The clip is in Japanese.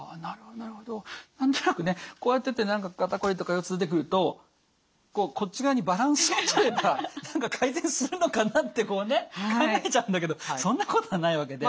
何となくねこうやってて肩こりとか腰痛出てくるとこっち側にバランスをとれば改善するのかなってこうね考えちゃうんだけどそんなことはないわけで。